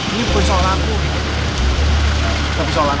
anak kamu twin rosum lat sembilan i